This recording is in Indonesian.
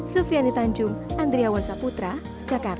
sufiani tanjung andriawan saputra jakarta